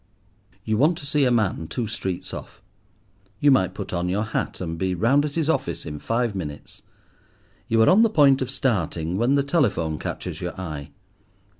You want to see a man two streets off. You might put on your hat, and be round at his office in five minutes. You are on the point of starting when the telephone catches your eye.